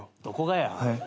どこがや。